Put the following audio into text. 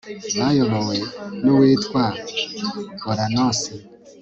bayobowe n'uwitwa oranosi